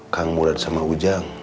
kang murad sama ujang